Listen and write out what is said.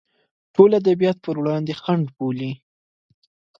ټول ادبیات پر وړاندې خنډ بولي.